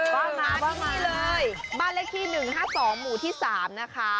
มาที่นี่เลยบ้านเลขที่๑๕๒หมู่ที่๓นะคะ